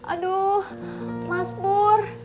aduh mas pur